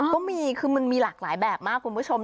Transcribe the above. ก็มีคือมันมีหลากหลายแบบมากคุณผู้ชม